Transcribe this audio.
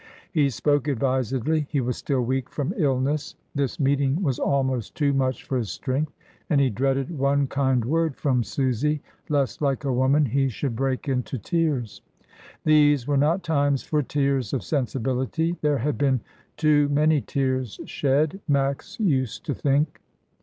He spoke advisedly. He was still \9eak from illness. This meeting was almost too much for his strength, and he dreaded one kind word from Susy, lest, like a woman, he should break into tears. These were not times for tears of sensibility. There had been too many tears shed, Max used to think.